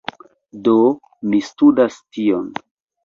Do, mi studas tion